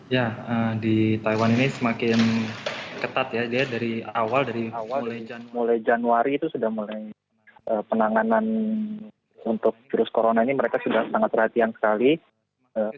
ya di taiwan ini semakin ketat ya dia dari awal dari awal mulai januari itu sudah mulai penanganan untuk virus corona ini mereka sudah sangat perhatian sekali